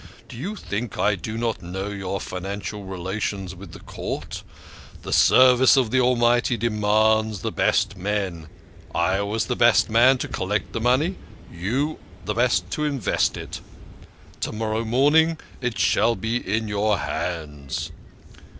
Do you think I do not know your financial relations with the Court? The service of the Almighty demands the best men. I was the best man to collect the money you are the best to invest it. To morrow morning it shall be in your hands."